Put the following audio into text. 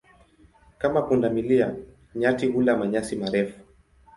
Kama punda milia, nyati hula manyasi marefu.